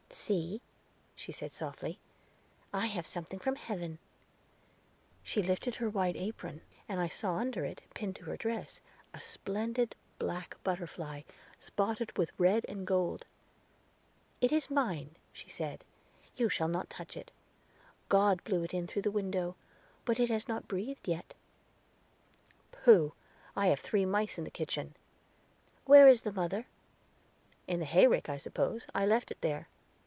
"See," she said softly, "I have something from heaven." She lifted her white apron, and I saw under it, pinned to her dress, a splendid black butterfly, spotted with red and gold. "It is mine," she said, "you shall not touch it. God blew it in through the window; but it has not breathed yet." "Pooh; I have three mice in the kitchen." "Where is the mother?" "In the hayrick, I suppose, I left it there."